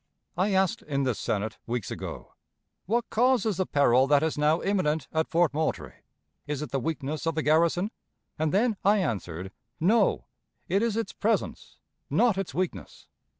I asked in this Senate, weeks ago: "What causes the peril that is now imminent at Fort Moultrie; is it the weakness of the garrison?" and then I answered, "No, it is its presence, not its weakness."